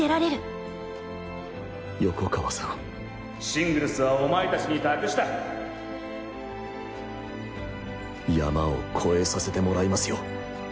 シングルスはお前達に託した山を越えさせてもらいますよ